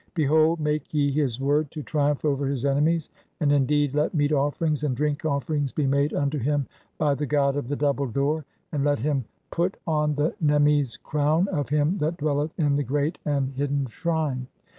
Behold, make ye his word to triumph over his "enemies, and indeed let meat offerings and drink offerings be made "unto him by the god of the double door, and let him (n) put "on the nemmes crown of him that dwelleth in the great and hid "den shrine.